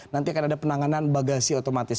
nanti akan ada penanganan bagasi otomatis